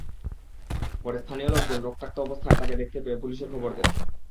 পরে স্থানীয় লোকজন রক্তাক্ত অবস্থায় তাঁকে দেখতে পেয়ে পুলিশে খবর দেয়।